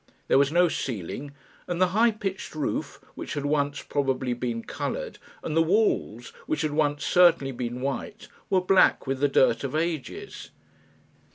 There was no ceiling, and the high pitched roof, which had once probably been coloured, and the walls, which had once certainly been white, were black with the dirt of ages.